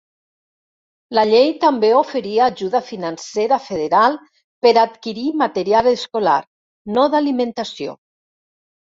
La llei també oferia ajuda financera federal per adquirir material escolar, no d'alimentació.